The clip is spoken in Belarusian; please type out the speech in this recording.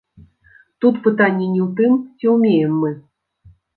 Тут пытанне не ў тым, ці ўмеем мы.